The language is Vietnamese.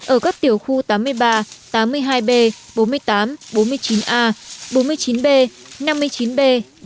ở các tiểu khu tám mươi ba tám mươi hai b bốn mươi tám bốn mươi chín a bốn mươi chín b năm mươi chín b bảy mươi sáu mươi a sáu mươi b